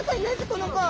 この子。